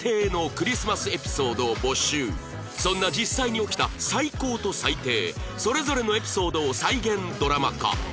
そんな実際に起きた最高と最低それぞれのエピソードを再現ドラマ化